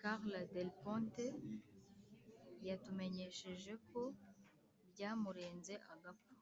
carla del ponte yatumenyesheje ko byamurenze agapfa